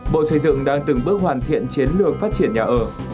bộ xây dựng đang từng bước hoàn thiện chiến lược phát triển nhà ở